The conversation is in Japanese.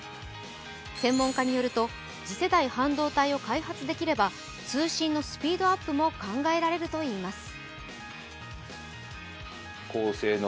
専門家によると次世代半導体を開発できれば通信のスピードアップも考えられるといいます。